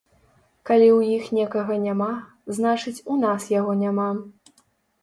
Калі ў іх некага няма, значыць у нас яго няма.